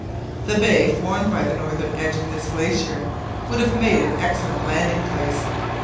The bay formed by the northern edge of this glacier would have made an excellent landing place.